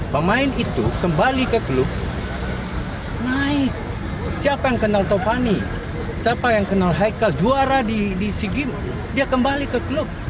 pemain itu kembali ke klub naik siapa yang kenal tovani siapa yang kenal haikal juara di sea games dia kembali ke klub